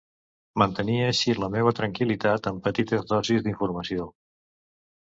Mantenia així la meua tranquil·litat amb petites dosis d'informació.